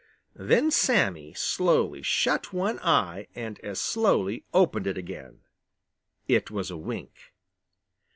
Then Sammy slowly shut one eye and as slowly opened it again. It was a wink.